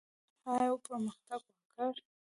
آیا او پرمختګ وکړي؟